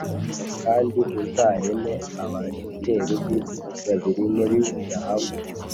Kandi uzareme abakerubi babiri muri zahabu